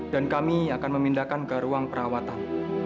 dan kami akan memindahkan ke ruang perawatan